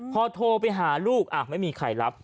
พอโทรไปหาลูกไม่มีใครรับ